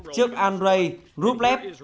trước andrei rublev